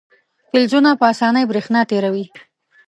فلزونه په اسانۍ برېښنا تیروي.